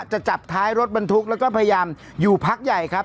จะจับท้ายรถบรรทุกแล้วก็พยายามอยู่พักใหญ่ครับ